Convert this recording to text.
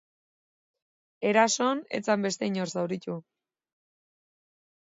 Erasoan ez zen beste inor zauritu.